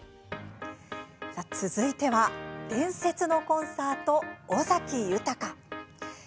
続いては「伝説のコンサート尾崎豊」。